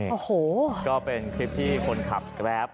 นี่ก็เป็นคลิปที่คนขับแบบ